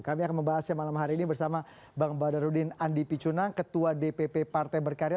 kami akan membahasnya malam hari ini bersama bang badarudin andi picunang ketua dpp partai berkarya